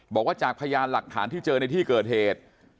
บอกว่าจากพยานหลักฐานที่เจอในที่เกิดเหตุ